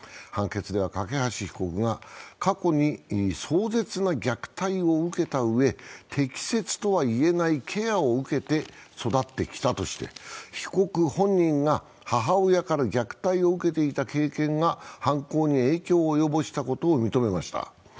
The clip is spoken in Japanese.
判決では、梯被告が過去に壮絶な虐待を受けた上、適切とはいえないケアを受けて育ってきたとして、被告本人が母親から虐待を受けていた経験が犯行に影響を及ぼしたことを認めました。